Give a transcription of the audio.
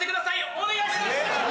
お願いします！